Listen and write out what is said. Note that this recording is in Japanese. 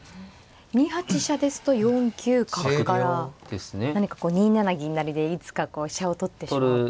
２八飛車ですと４九角から何かこう２七銀成でいつか飛車を取ってしまおうと。